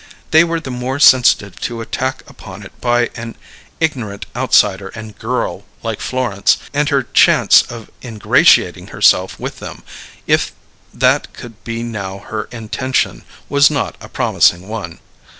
They were the more sensitive to attack upon it by an ignorant outsider and girl like Florence, and her chance of ingratiating herself with them, if that could be now her intention, was not a promising one.